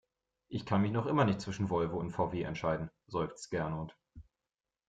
Ich kann mich noch immer nicht zwischen Volvo und VW entscheiden, seufzt Gernot.